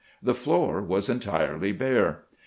The floor was entirely bare.